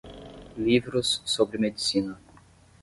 Livros sobre medicina.